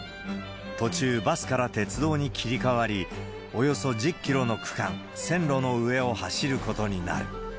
途中、バスから鉄道に切り替わり、およそ１０キロの区間、線路の上を走ることになる。